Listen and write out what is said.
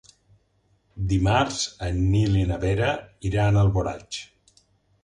Dimarts en Nil i na Vera iran a Alboraig.